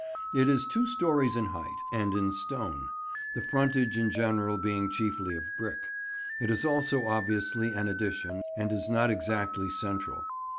It is two storeys in height, and in stone: the frontage in general being chiefly of brick. It is also obviously an addition, and is not exactly central.